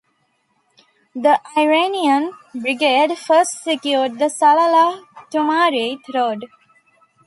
The Iranian brigade first secured the Salalah-Thumrait road.